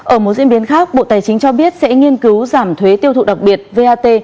ở một diễn biến khác bộ tài chính cho biết sẽ nghiên cứu giảm thuế tiêu thụ đặc biệt vat